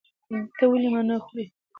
ته ولې مڼه خورې؟